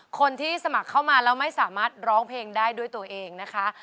คนที่สมัครเข้ามาแล้วไม่สามารถร้องเพลงได้ด้วยตัวเองนะคะ